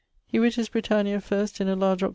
He writt his Britannia first in a large 8º.